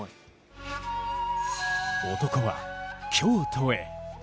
男は、京都へ。